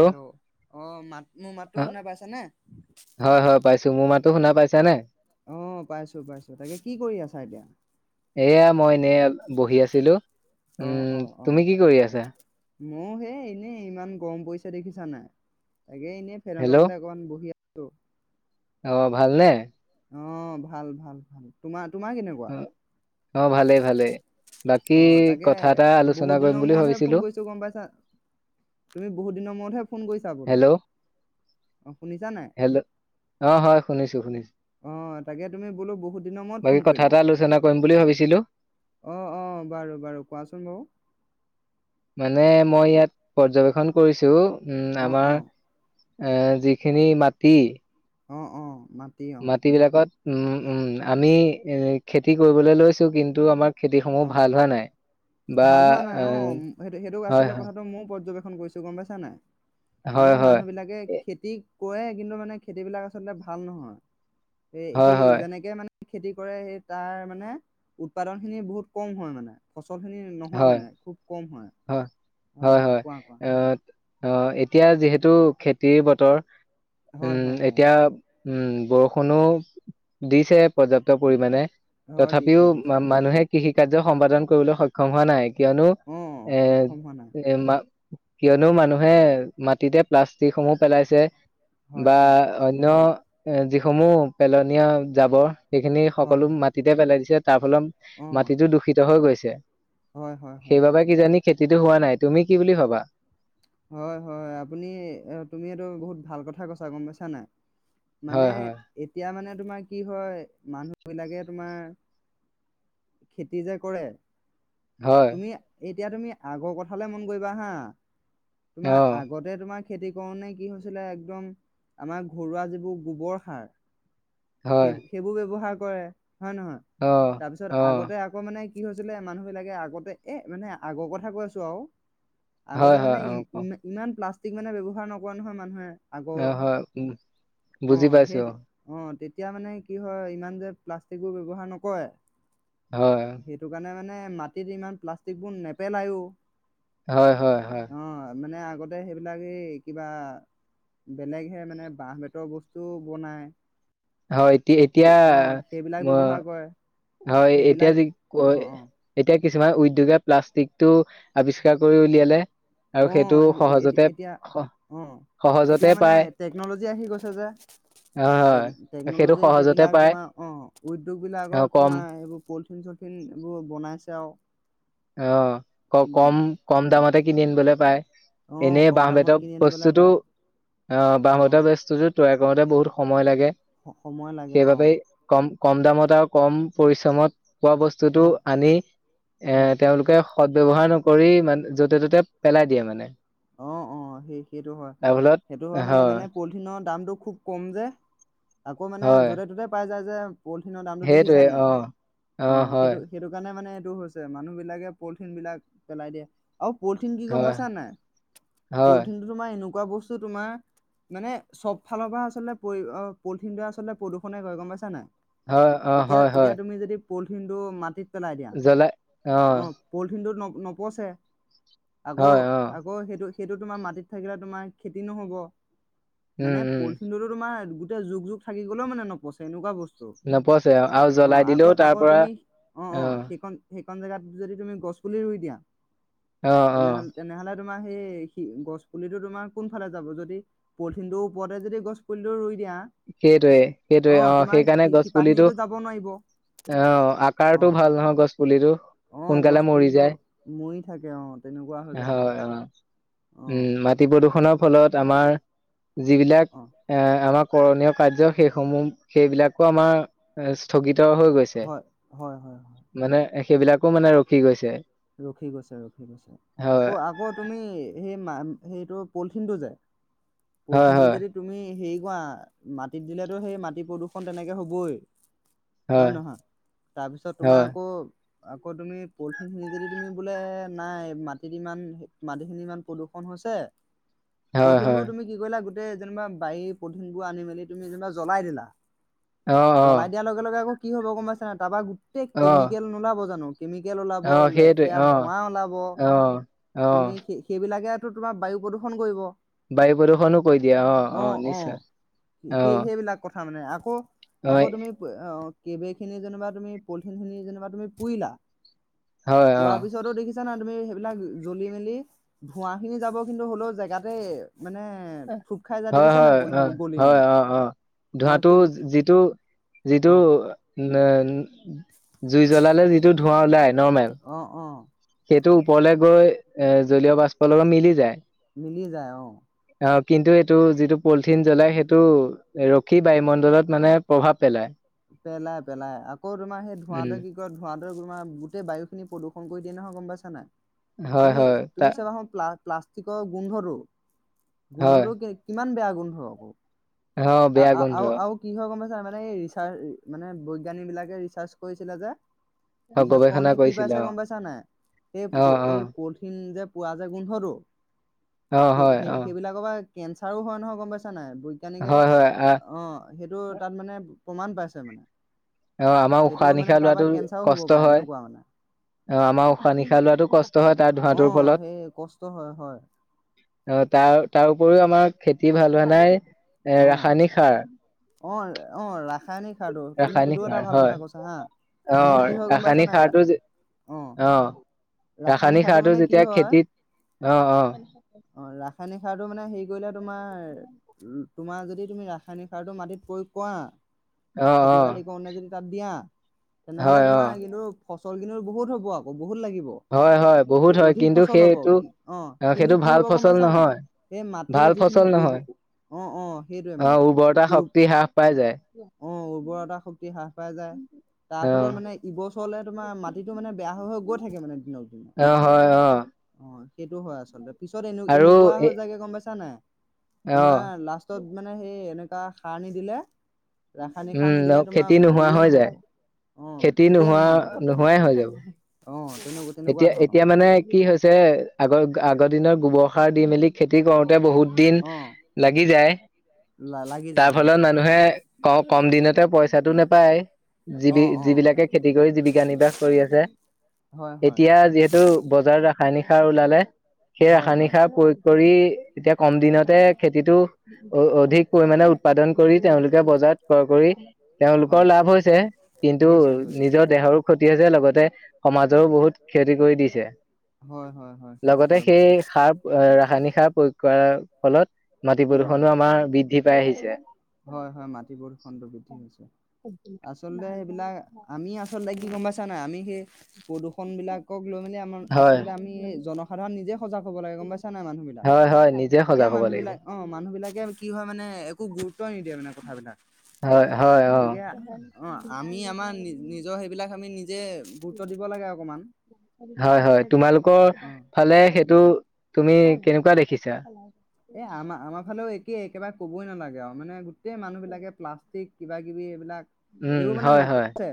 Hello অঁ মাত মোৰ মাতটো শুনা পাইছানে তো শুনা পাইছা নে আঁহ পাইছো পাইছো তাকে কি কৰি আছা এতিয়া এয়া মই এনেই বহি আছিলো অ', উম অ', তুমি অ'। কি কৰি আছা ময়ো সেই এনেই ইমান গৰম পইচা দেখিছা নাই এগে এনেই ফেন তলতে অকণমান বহি আছো টো অঁ ভালনে অঁ ভাল ভাল ভাল তোমাৰ তোমাৰ কেনেকুৱা অ অ ভালেই ভালেই বাকী আঁহ তাকে কথা এটা আলোচনা বহুত কৰিম দিনৰ বুলি মূৰতহে ভাবিছিলো ফোন কৰিছো গম পাইছা তুমি বহুত দিনৰ মূৰতহে ফোন কৰিছা বোলো হেল্ল' অঁ শুনিছা নাই হেল্ল' অ হয় শুনিছো শুনিছো অঁ তাকে তুমি বোলো বহুত দিনৰ মূৰত বাকী ফোন কথা কৰিলা এটা আলোচনা কৰিম বুলি ভাবিছিলো অঁ অঁ বাৰু বাৰু কোৱাচোন বাৰু মানে মই ইয়াত পৰ্যবেক্ষণ কৰিছো উম অ', আমাৰ অ', এ যিখিনি মাটি অঁ অঁ মাটি বিলাকত উম উম আমি এ খেতি কৰিবলৈ লৈছো কিন্তু আমাৰ খেতিসমূহ অঁ, ভাল হোৱা নাই বা ভাল হোৱা নাই আ অঁ সেইটো সেইটোক হয় আচলতে হয় কথাটো মও পৰ্যবেক্ষ খন গৈছো গম পাইছা নাই? মানে হয় হয় মানুহবিলাকে খেতিক কয়ে কিন্তু মানে খেতিবিলাক আচলতে ভাল নহয়। এ হয় সেই হয় যেনেকে মানে খেতি কৰে সেই তাৰ মানে উৎপাদন খিনি বহুত কম হয় মানে [unintelligible] খিনি নহয় হয় মানে খুব কম হয়। হয়। হয় হয় অ' অঁ, এতিয়া যিহেতু খেতিৰ বতৰ হয় উম, হয় হয় এতিয়া উম, বৰষুণো দিছে পৰ্যাপ্ত পৰিমাণে, হয় তথাপিও দিছে দিছে মানুহে কৃষিক কাৰ্য সম্পাদন কৰিবলৈ সক্ষম হোৱা নাই কিয়নো অ এজ, সক্ষম হোৱা নাই এমা কিয়নো মানুহে মাটিতে প্লাষ্টিকসমূহ পেলাইছে হয় বা হয় অন্য এ যিসমূহ পেলনীয়া জাবৰ সেইখিনি হয় সকলো হয় মাটিতে পেলাই দিছে। তাৰ ফলত অ মাটিটো দূষিত হৈ গৈছে। হয় হয় হয়। [inaudible] খেতিটো হোৱা নাই, তুমি কি বুলি ভাবা? হয়, হয়, আপুনি এ তুমি এইটো বহুত ভাল কথা কৈছা, গম পাইছা নাই। মানে হয় হয় এতিয়া মানে তোমাৰ কি হয় মানুহ বিলাকে তোমাৰ, খেতি যে কৰে হয় তুমি এই এতিয়া তুমি আগৰ কথালে মন কৰিবা হা। অ তোমাৰ আগতে তোমাক খেতি কৰোতে কি হৈছিলে একদম আমাৰ ঘৰুৱা যিবোৰ গোবৰ সাৰ হয় সেইবো সেইবোৰ ব্যৱহাৰ কৰে। হয় নহয়, অ তাৰপিছত অ আগতে আকৌ মানে কি হৈছিলে মানুহ বিলাকে আগতে এ মানে আগৰ কথা কৈ আছোঁ আৰু। আগতে হয় মানে হয় ই অ', ক ইমা- ইমান প্লাষ্টিক মানে ব্যৱহাৰ নকৰে নহয় মানুহে। আগৰ অঁ হয় উম, বুজি পাইছো অঁ। এতিয়া মানে কি হয়, ইমান যে প্লাষ্টিক বোৰ ব্যৱহাৰ নকৰে অ হয় সেইটো কাৰণে মানে মাটিত ইমান প্লাষ্টিক বোৰ নেপেলায়ো। হয় হয়-হয়। অ' মানে আগতে সেইবিলাক এই কিবা বেলেগহে মানে বাঁহ বেতৰ বস্তুও বনায়। হয়, এতিয়া- এতিয়া ব্যৱহাৰ কৰে হয়, এতিয়া সেইবিলাক যি ক অ' অ' এতিয়া এ কিছুমান উদ্যোগে প্লাষ্টিকটো আৱিষ্কাৰ কৰি উলিয়ালে। আৰু সেইটো অঁ, সহজতে এতিয়া স- অ সহজতে এতিয়া মানে পায় টেকনলজি আহি গৈছে যে, হয় হয় সেইটো টেকনলজি সহজতে এইবিলাক পায় তোমাৰ অ উদ্যোগ অ বিলাকত কম তোমাৰ এইবোৰ পলিথিন চলথিন এইবোৰ বনাইছে আৰু অঁ ক উম কম-কম দামতে কিনি আনিবলৈ পায়। অ' এনে কম বাঁহ দামত বেতৰ কিনি আনিবলৈ বস্তুটো, পায় অঁ বাঁহ অ' বেতৰ বস্তুতো তৈয়াৰ গাৱতে বহুত সময় লাগে। সময় লাগে অ'। সেইবাবেই কম কম দামত আৰু কম পৰিশ্ৰমত খোৱা বস্তুটো হয় আনি হয়। এ তেওঁলোকে সদ ব্যৱহাৰ নকৰি, মানে য'তে ত'তে পেলাই দিয়ে মানে। অঁ, অ সেই সেইটো হয়, তাৰ ফলত সেইটো হয় মানে-মানে পলিথিনৰ দামটো খুব কম যে। আকৌ মানে হয় য'তে ত'তে পাই যায় যে পলথিনৰ দামটো দেখিছা সেইটোৱে নাই, অ অ' সেইটো- সেইটো কাৰণে মানে টো হৈছে মানুহ বিলাকে পলিথিন বিলাক পেলাই দিয়ে। আৰু পলিথিন কি গম হয় পাইছা নাই। হয় পলিথিনটো তো মই এনেক খোৱা বস্তু তোমাৰ, মানে চব ফালৰ পৰা আচলতে, পলিথিনে আচলতে প্ৰদূষণে কৰে, গম পাইছা নাই? হয়, অ' এতিয়া হয়! এতিয়া হয়! তুমি যদি পলিথিনটো, মাটিত পেলাই দিয়া, অ' পলিথিনটোত ন নপচে আকৌ হয় অ আগ কৌ সেইটো, সেইটো তোমাৰ মাটিত থাকিলে তোমাৰ খেতি নহ'ব। উম মানে উম পলথিনটো তো তোমাৰ গোট যুগ-যুগ থাকি গ'লেও মানে নপচে, এনেকুৱা বস্তু নপছে অ', আৰু অ', জ্বলাই আকৌ দিলেও তাৰ পৰা, অ' দুখন জেগাত যদি তুমি গছ পুলি ৰুই দিয়া অ অ তেনেহলে, তেনেহলে তোমাৰ সেই, সি গছ পুলিটো তোমাৰ কোন ফালে যাব, যদি পলথিনটোৰ ওপৰতে যদি গছ পুলিটো ৰুই দিয়া সেইটোৱে-সেইটোৱে অ' তোমাৰ সেইকাৰণে সি গছ পুলিটো শিপাখিনিতো যাব নোৱাৰিব। অ', আকাৰতটো অ', ভাল নহয় গছ পুলিটোৰ অ', গছ সোনকালে মৰি পুলিটো যায়। মৰি থাকে অ', তেনেকুৱা হৈ যায় হয়! অ', অ'। উম', মাটি সে- প্ৰদূষণৰ ফলত আমাৰ যি বিলাক অ', এ আমাক কৰণীয় কাৰ্য সেইসমূহ, সেইবিলাকো আমাৰ, স্থগিত হৈ গৈছে, হয়, হয়, হয়, হয়, মানে এ সেইবিলাকো মানে ৰখি গৈছে। ৰখি গৈছে, ৰখি গৈছে। হয় আকৌ, ‌ আকৌ তুমি সেই মা সেইটো পলিথিনটো যে হয় পলিথিনটো হয় যদি তুমি সেই কুৱা, মাটিত দিলেতো সেই, মাটি প্ৰদূষণ তেনেকে হ'বই হয় নহয়? তাৰপিছত তোমাৰ হয় আকৌ আকৌ তুমি পলিথিন খিনি যদি তুমি বোলে নাই মাটিত ইমান, মাটিখিনি ইমান প্ৰদূষন হৈছে হয় পলঠিন হয় বোৰ তুমি কি কৰিলা গোট তেই যেনিবা বাৰী পলথিন বোৰ আনি মেলি তুমি যেনিবা জ্বলাই দিলা অ অ জ্বলাই দিয়াৰ লগে লগে আকৌ কি হ'ব গম পাইছা নাই, তাৰপা গোটেই অ কেমিকেল নোলাব জানোঁ? কেমিকেল ওলাব, অ সেইটোৱে লেট অ ধোৱা ওলাব, অ অ তুমি সে-সেইবি বিলাকেটো তোমাৰ বায়ু প্ৰদূষণ কৰিব বায়ু প্ৰদূষনো কৰি দিয়ে, অ', অ', নিশ্চয় অহ সামনে আকৌ আকৌ তুমি আহ কেবেই [unintelligible] খিনি যেনিবা তুমি পলিথিন খিনি যেনিবা তুমি পুৰিলা হয় অ পোৱাৰ পিছতো দেখিছা না তুমি বিলাক জ্বলি মেলি ধোৱা খিনি যাব কিন্তু হ'লেও জেগাতে মানে থুপ খাই যায় হয় দেখিছা নাই হয় হয় পলিথিনবোৰ গলি হয় মেলি অ অ অ ধোঁৱাটো সেই যিটো যিটো অ উ জুই জ্বলালে যিটো ধোঁৱা ওলাই নৰ্মেল অ অ এইটো ওপৰলে গৈ এ জলীয় বাষ্প লগত মিলি যায় মিলি যায় অ অ কিন্তু এইটো যিটো পলিথিন জ্বলাই সেইটো ৰখি বায়ুমণ্ডলত মানে প্ৰভাৱ পেলায় পেলাই পেলাই আকৌ তোমাৰ সেই উম ধোঁৱতে কি ক ধোঁৱাতেৰে তোমাৰ গোটেই বায়ু খিনি প্ৰদূষণ কৰি দিয়ে নহয় গম পাইছোন নাই হয় তুমি হয় তা তুমি চাবা হ প্লাক প্লাষ্টিক গোন্ধ ৰ হয় গোন্ধৰ কিমান বেয়া বন্ধ হ'ব অ বেয়া গোন্ধ ৰ াৰ মানে এই ৰিচাৰ্চ মানে বৈজ্ঞানিক বিলাকে ৰিচাৰ্চ কৰিছিলে যে অ ৰিচাৰ্জ কৰা গৱেষণা নাই [unintelligible] কি কৰিছিলে পাইছা অ গম পাইছা নাই সেই অ অ এই পলিথিন যে পোৱা যায় গোন্ধটো অ সেই হয় সেই অ সেইবিলাকৰ পৰা কেঞ্চাৰো হয় নহয় গম পাইছা নাই বৈজ্ঞানিকে হয় হয় আ অ সেইটো তাত মানে প্ৰমাণ পাইছে মানে অ আমাৰ সেইটো উশাহ মানে নিশাহ তাৰপৰা লোৱাাতটো কেঞ্চাৰো হ'ব কষ্ট পাৰে হয় এনেকুৱা মানে আহ আমাৰ উশাহ নিশাহ লোৱাতো কষ্ট হয় তাৰ অ ধোঁৱটোৰ ফলত সেই কষ্ট হয় হয় আহ তাৰ তাৰ উপৰিও আমাৰ খেতি ভাল হোৱা নাই অ ৰাসায়নিক সাৰ অ আহ ৰাসায়নিক তুমি ৰাসায়নিক সেইটো এটা সাৰ ভাল হয় কথা কৈছা হা, অ মানে কি হয় গম পাইছা ৰাসায়নিক নাই, সাৰটো অ' ৰাসায়নিক সাৰটো মানে কি যেতিয়া হয় খেতিত, অঁ-অঁ। অ ৰাসায়নিক সাৰটো মানে হেৰি কৰিলে তোমাৰ, তোমাৰ যদি তুমি ৰাসায়নিক সাৰটো মাটিত প্ৰয়োগ কৰা অ অ খেতি বাতি কৰো ন যদি তাত দিয়া তেনেহলে হয় অ তোমাৰ কিন্তু চলগিনৰ বহুত হ'ব, আকৌ বহুত লাগিব। হয় হয় বহুত হয় অধিক কিন্তু ফচল হব, সেইটো কি অ কিন্তু সেইটো কি ভাল হব গম ফচল পাইছা নাই নহয় সেই মাটিৰ ভাল যিখিনি ফচল উৰ নহয় অ অ সেইটোৱে অ মানে উৰ্বৰতা উ শক্তি হ্ৰাস পাই যায় অ উৰ্বৰা শক্তি হ্ৰাস [unintelligible] াই যায়, তাৰ অ ফলত মানে ইবছৰলে তোমাৰ মাটিটো মানে বেয়া হৈ গৈ থাকে মানে দিনক দিনে অ' হয় অ'। সেইটো হয় আচলতে। পিছত এনে, আৰু এনেকুৱা এ হৈ যাইগৈ গম পাইছা নাই অ তোমাৰ লাষ্টত মানে সেই এনে সাৰ নিদিলে ৰাসায়নিক উম সাৰ নিদিলে ন' তোমাৰ খেতি নোহোৱা হেৰিয়ে হৈ নহ'ব যায়। অ খেতি খেতিয়ে নোহোৱা, হৈ যাব নোহোৱাই হৈ যাব। অ তেনেকুৱা তেনেকুৱা এতিয়া, ধৰণৰ এতিয়া মানে কি হৈছে আগ আগৰ দিনৰ গোবৰ সাৰ দি মেলি খেতি কৰ বহুত দিন অ লাগি যায়। লাগি তাৰ যায় লাগি ফলত যায় মানুহে ক কম দিনতে পইচাটো নেপায় অ যিবি অ যিবিলাকে খেতি কৰি জীৱিকা নিৰ্বাহ কৰি আছে, হয় হয় এতিয়া যিহেতু বজাৰ ৰাসায়নিক খাৰ ওলালে সেই হয় ৰাসায়নিক হয় সাৰ প্ৰয়োগ কৰি, এতিয়া কম দিনতে খেতিটো অধিক পৰিমাণে উৎপাদন কৰি তেওঁলোকে বজাৰত ক্ৰয় কৰি, তেওঁলোকৰ হয় লাভ হৈছে। হৈছে হৈছে নিজৰ দেহৰো ক্ষতি হৈছে, লগতে সমাজৰো বহুত ক্ষতি কৰি দিছে। হয় হয় হয় সেইটো হয় বাৰু সেই সাৰ ৰাসায়নিক সাৰ প্ৰয়োগ কৰাৰ ফলত মাটি হয় প্ৰদূ্ষণো আমাৰ বৃদ্ধি পাই আহিছে। হয় হয় মাটি প্ৰদূষণটো এইবিলাক আমি আচলতে, কি গম পাইছা, নাই আমি সেই কদো [unintelligible] ফোনবিলাকক লৈ মেলি আমাৰ হয় আচলতে আমি নিজে সজাগ হ'ব লাগে গম পাইছা নাই মানুহ বিলাক, হয় হয় নিজে এতিয়া সজাগ হ'ব মানুহ লাগিব বিলাক, অঁ মানুহ বিলাকে কি হয় মানে, একো গুৰুত্ব নিদিয়ে মানে কথাাবিলাক। হয় হয় অ গতিকে অ', আমি আমাৰ নি- নিজৰ সেইবিলাক আমি নি, হয়-হয় তোমালোকৰ অ ফালে সেই, -টো তুমি কেনেকুৱা দেখিছা? এই আমাৰ, আমাৰ ফালেও একেই এক একেবাৰে ক'বই নালাগে আৰু মানে গোটেই মানুহবিলাকে প্লাষ্টিক কিবাকিবি এইবিলাক, উম এইবোৰ মানে হয় হয় নপছে,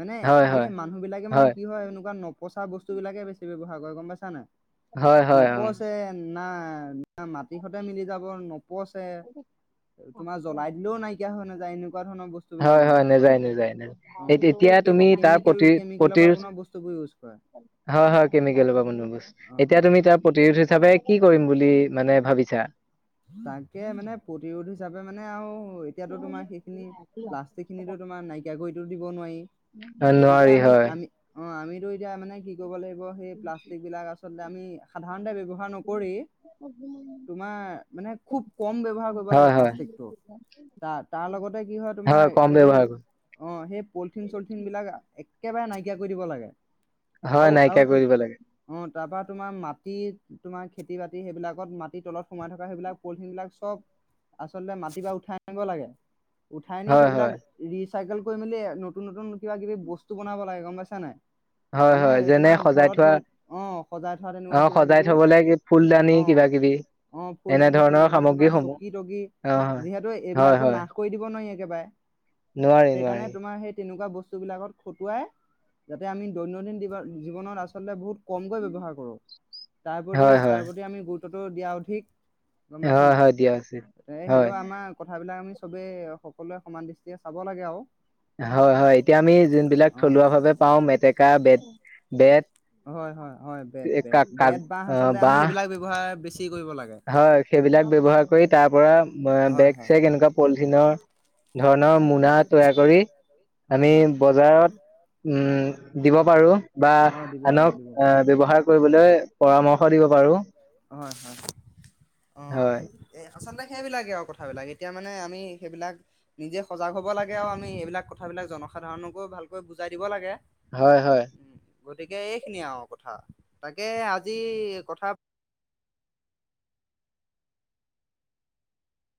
মানে হয় এই হয় মানুহ বিলাকে মানে কি হয় এনেকুৱা নপ, পচা বস্তুবিলাকে বেছি ব্যৱহাৰ কৰে গম পাইছা নাই? হয় হয় অ নপচে না, আঃ, মাটি সতে মিলি যাব নপ, -পছে তোমাৰ জ্বলাই দিলেও নাইকি, কিয়া হৈ নাযায় নো, হয়- হয়, নেযায়- নেযায় নেয, অ গোটেই এতিয়া কে তুমি তাৰ কেমিকেল প্ৰতি কেমিকেলৰ পৰা -প্ৰতিৰোধ বনোৱা বস্তুবোৰ ইউজ কৰে। হয়- হয় কেমিকেল হব বনবো বস্তু, অ অ এতিয়া তুমি তাৰ প্ৰতিৰোধ, হিচাপে কি কৰিম বুলি মানে ভাবিছা? তাকে মানে প্ৰতিৰোধ হিচাপে মানে আৰু, এতিয়াতো তোমাৰ সেইখিনি প্লাষ্টিক খিনিতো তোমাৰ নাইকিয়া কৰি টো দিব নোৱাৰি। নোৱাৰি হয়। -টো এতিয়া মানে কি কৰিব লাগিব সেই প্লাষ্টিক বিলাক আচ, আচলতে আমি সাধাৰণতে ব্যৱ হাৰ নকৰি তোমাৰ, মানে খুব কম ব্যৱহাৰ কৰিব লাগে হয় হয় প্লাষ্টিকটো, তাৰ, তাৰ লগতে কি হয় তোমাৰ কম এইবোৰ ব্যৱহাৰ কৰি অ', সেই পলিথিন- চলিথিন বিলাক একেবাৰে নাইকিয়া কৰি দিব লাগে। হয়, নাইকিয়া কৰি দিব লাগে। তাৰ পৰা তোমাৰ মাটি তোমাৰ খেতি- বাতি সেইবিলাকত মাটি তলত সোমাই থকা, সেইবিলাক পলিথিন বিলাক চব আচলতে মাটি পৰা উঠাই আনিব লাগে। উঠাই আনি হয় সেইবিলাক হয় ৰিচ, চাইকেল কৰি মেলি নতুন - নতুন, কিবা- কিবি বস্তু বনাব লাগে গম পাইছা নাই? হয়- মানে হয় যেনে তোমাৰ সজাই ঘৰত থোৱা ধৰি অ সজাই থোৱা তেনেকুৱা অ', কিবা সজাই কিবি থবলৈ ফুলদানি অ কিবা - কিবি, অ ফুলদানি- এনেধৰণৰ চুলদানি তোমাৰ সামগ্ৰীসমূহ চকী -তকি অ হয় যিহেতু হয় এইবিলাকতো হয় নাশ কৰি দিব নৈ একেবাৰে। নোৱাৰি সেইকাৰণে নোৱাৰি তোমাৰ সেই তে। এনেকুৱা বস্তুবিলাকত খটুৱাই, যাতে আমি দৈনন্দিন জীৱ জীৱনত আচলতে বহুত। কমকৈ ব্যবহাৰ কৰোঁ তাৰ প্ৰতি হয় হয় তাৰ প্ৰতি আমি [unintelligible] দিয়া অধিক গম পাইছা হয় নাই? হয় দিয়া উচিত ত হয় সেইটো আমাৰ কথাবিলাক আমি। চবেই সকলোৱে সমান দৃষ্টিয়ে চাব লাগে আও। হয় হয় এতিয়া আমি, যোনবিলাক অ থলুৱা ভাৱে পাওঁ মেটেকা বেত। বেত হয় হয় হয়, বেত বেত কাক কাক বেত বাঁহ আচলতে আমি বাঁহ সেইবিলাক ব্যবহাৰ বেছি। কৰিব লাগে হয় সেইবিলাক ব্যৱহাৰ কৰি তাৰ পৰা, হয় বেগ হয় চেগ হয় এনেকুৱা পলিথিনৰ ধৰণৰ মোনা হয় তৈয়াৰ কৰি হয় আমি হয় বজাৰত উম। দিব। পাৰোঁ বা হয় দিব পাৰো আনক দিব পাৰো ব্যৱহাৰ কৰিবলৈ পৰামৰ্শ দিব পাৰো। হয় হয় হয় অ হয় এ সঁচা নে? সেইবিলাকে আও কথাবিলাক এতিয়া মানে আমি সেইবিলাক নিজে সজাগ হব লাগে আও, আমি এইবিলাক কথাবিলাক জনসাধাৰণকো ভালকে বুজাই দিব লাগে। হয় হয়। উম, গতিকে এইখিনিয়ে আও, কথা তাকে আজি কথা